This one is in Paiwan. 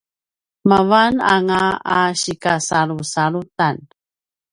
mavananga a sikasalusalutan